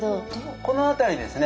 この辺りですね。